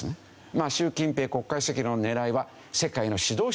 まあ習近平国家主席の狙いは世界の指導者になる。